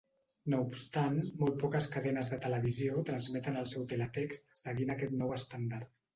No obstant, molt poques cadenes de televisió transmeten el seu teletext seguint aquest nou estàndard.